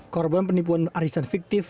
korban penipuan arisan fiktif